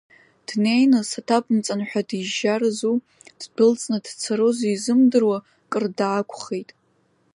Днеины, саҭабымҵан ҳәа дижьжьарызу, ддәылҵны дцарызу изымдыруа, кыр даақәхеит.